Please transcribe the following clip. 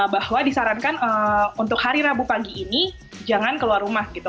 bahwa disarankan untuk hari rabu pagi ini jangan keluar rumah gitu